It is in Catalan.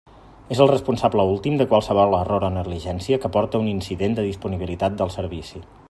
És el responsable últim de qualsevol error o negligència que porte a un incident de disponibilitat del servici.